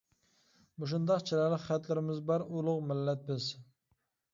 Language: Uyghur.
مۇشۇنداق چىرايلىق خەتلىرىمىز بار ئۇلۇغ مىللەت بىز.